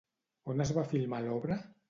On es va filmar l'obra?